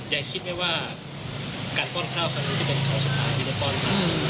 ยายคิดไหมว่าการป้อนข้าวครั้งนี้